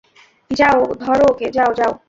যাও ধরো ওকে - যাও যাও!